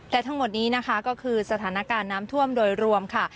แต่ทั้งหมดนี้นะคะก็คือสถานการณ์น้ำท่วมโดยรวมค่ะ